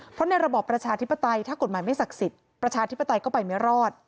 เพราะในระบอบประชาธิปไตยถ้ากฎหมายไม่ศักดิ์สิทธิ์ประชาธิปไตยก็ไปไม่รอด